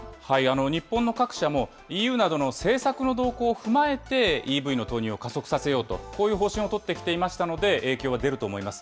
日本の各社も、ＥＵなどの政策の動向を踏まえて、ＥＶの投入を加速させようと、こういう方針を取ってきていましたので、影響は出ると思います。